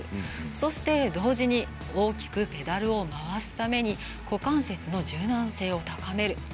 そして、同時に大きくペダルを回すために股関節の柔軟性を高める。